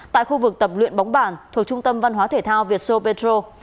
tại khu vực tập luyện bóng bản thuộc trung tâm văn hóa thể thao việt sô petro